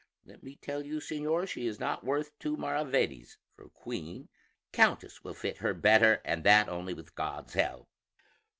Let me tell you, señor, she is not worth two maravedis for a queen; countess will fit her better, and that only with God's help."